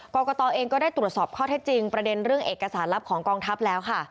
กรกตเองก็ได้ตรวจสอบข้อเท็จจริงประเด็นเรื่องเอกสารลับของกองทัพแล้วค่ะ